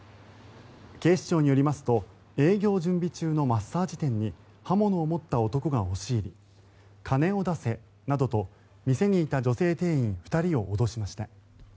警視庁によりますと営業準備中のマッサージ店に刃物を持った男が押し入り金を出せなどと店にいた女性店員２人を脅しました。